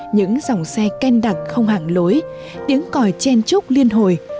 những dòng xe ken đặc không hạng lối tiếng còi chen trúc liên hồi